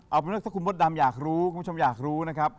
เอาเป็นว่าถ้าคุณมดดำอยากรู้คุณผู้ชมอยากรู้นะครับ